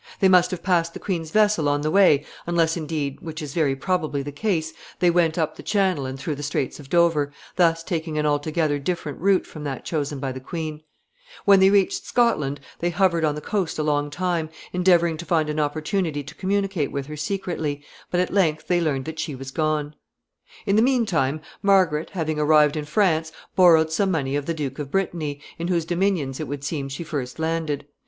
They must have passed the queen's vessel on the way, unless, indeed, which is very probably the case, they went up the Channel and through the Straits of Dover, thus taking an altogether different route from that chosen by the queen. [Sidenote: Missed by her friends.] When they reached Scotland they hovered on the coast a long time, endeavoring to find an opportunity to communicate with her secretly; but at length they learned that she was gone. [Sidenote: She goes to France.] In the mean time, Margaret, having arrived in France, borrowed some money of the Duke of Brittany, in whose dominions it would seem she first landed.